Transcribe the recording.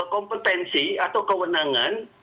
kompetensi atau kewenangan